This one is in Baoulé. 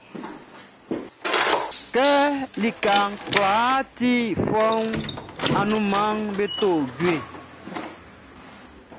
Kɛ lika kwlaa ti fɔuunʼn, anunmanʼm be to jue.